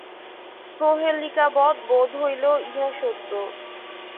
প্রহেলিকাবৎ বোধ হইলেও ইহা সত্য।